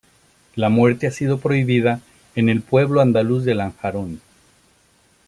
La muerte ha sido prohibida en el pueblo andaluz de Lanjarón.